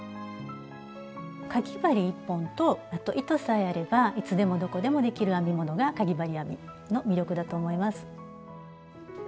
かぎ針１本とあと糸さえあればいつでもどこでもできる編み物がかぎ針編みの魅力だと思います。